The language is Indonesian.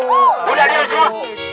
boleh adil semua